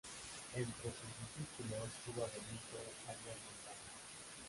Entre sus discípulos tuvo a Benito Arias Montano.